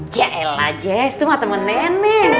jelajes itu mah temen nenek